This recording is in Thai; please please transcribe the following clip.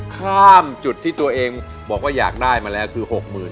ข้ามจุดที่ตัวเองบอกว่าอยากได้มาแล้วคือ๖๐๐๐